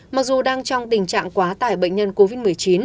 mặc dù đang trong tình trạng quá tải bệnh nhân covid một mươi chín